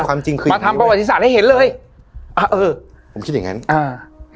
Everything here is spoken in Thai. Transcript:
ความจริงคือมาทำประวัติศาสตร์ให้เห็นเลยอ่าเออผมคิดอย่างงั้นอ่า